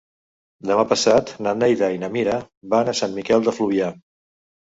Demà passat na Neida i na Mira van a Sant Miquel de Fluvià.